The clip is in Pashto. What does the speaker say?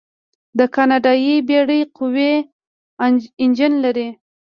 دا کاناډایي بیړۍ قوي انجن لري.